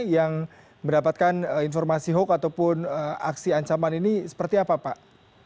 yang mendapatkan informasi hoax ataupun aksi ancaman ini seperti apa pak